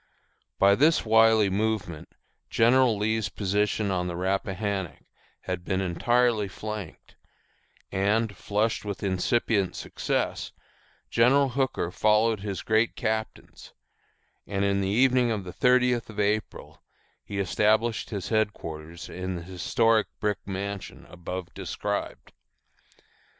By this wily movement General Lee's position on the Rappahannock had been entirely flanked; and, flushed with incipient success, General Hooker followed his great captains, and in the evening of the thirtieth of April he established his headquarters in the historic brick mansion above described.